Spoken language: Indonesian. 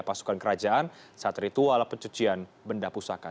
pasukan kerajaan satri tua ala pencucian benda pusaka